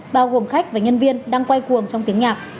bao gồm khách và nhân viên đang quay cuồng trong tiếng nhạc